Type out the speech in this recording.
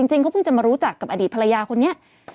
จริงเขาเพิ่งจะมารู้จักกับอดีตภรรยาคนนี้